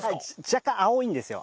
若干青いんですよ。